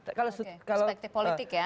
perspektif politik ya